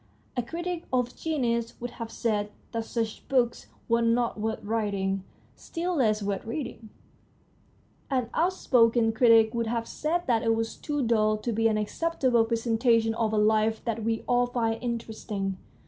A critic of genius would have said that such books were not worth writing, still less worth reading. An out THE STORY OF A BOOK 137 spoken critic would have said that it was too dull to be an acceptable presentation of a life that we all find interesting.